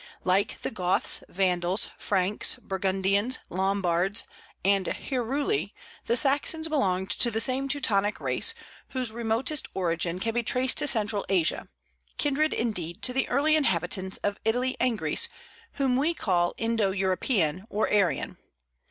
Like the Goths, Vandals, Franks, Burgundians, Lombards, and Heruli, the Saxons belonged to the same Teutonic race, whose remotest origin can be traced to Central Asia, kindred, indeed, to the early inhabitants of Italy and Greece, whom we call Indo European, or Aryan.